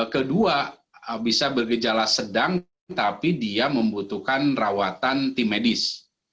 kedua bisa bergejala sedang tapi dia membutuhkan rawatan tim medis